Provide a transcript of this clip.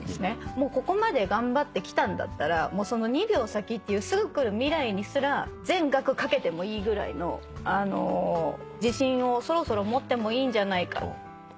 もうここまで頑張ってきたんだったらその２秒先っていうすぐ来る未来にすら全額賭けてもいいぐらいの自信をそろそろ持ってもいいんじゃないかっていう。